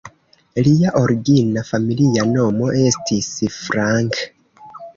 Lia origina familia nomo estis "Frank".